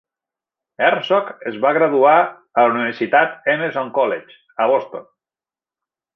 Herzog es va graduar a la universitat Emerson College, a Boston.